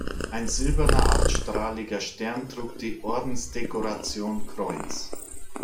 Ein silberner achtstrahliger Stern trug die Ordensdekoration Kreuz.